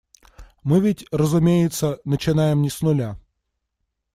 Мы ведь, разумеется, начинаем не с нуля.